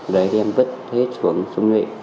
đấy thì em vứt hết xuống sông nhuệ